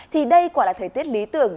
thì đây quả là thời tiết lý tưởng